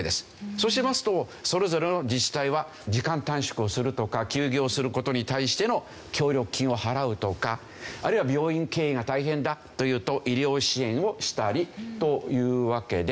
そうしますとそれぞれの自治体は時間短縮をするとか休業をする事に対しての協力金を払うとかあるいは病院経営が大変だというと医療支援をしたりというわけで。